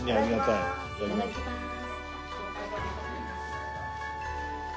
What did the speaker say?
いただきます。